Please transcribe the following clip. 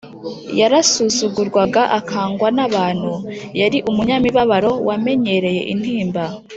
‘yarasuzugurwaga akangwa n’abantu, yari umunyamibabaro wamenyereye intimba